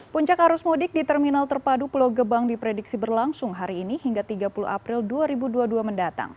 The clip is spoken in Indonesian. puncak arus mudik di terminal terpadu pulau gebang diprediksi berlangsung hari ini hingga tiga puluh april dua ribu dua puluh dua mendatang